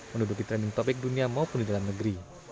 menduduki trending topic dunia maupun di dalam negeri